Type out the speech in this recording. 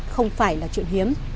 không phải là chuyện hiếm